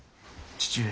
父上！